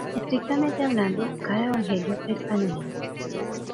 Estrictamente hablando, cada Evangelio es anónimo.